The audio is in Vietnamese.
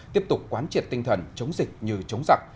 tiếp tục quán triệt tinh thần chống dịch như chống giặc